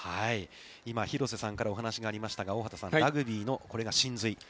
今、廣瀬さんからお話がありましたが、大畑さん、ラグビーのこれが神髄。